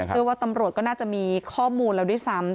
เชื่อว่าตำรวจก็น่าจะมีข้อมูลแล้วด้วยซ้ำ